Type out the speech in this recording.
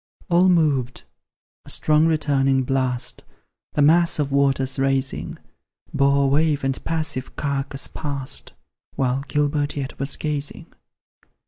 All moved; a strong returning blast, The mass of waters raising, Bore wave and passive carcase past, While Gilbert yet was gazing.